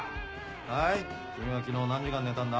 はい君は昨日何時間寝たんだ？